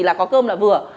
là có cơm là vừa